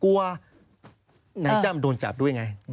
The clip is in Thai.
เพราะว่ารายเงินแจ้งไปแล้วเพราะว่านายจ้างครับผมอยากจะกลับบ้านต้องรอค่าเรนอย่างนี้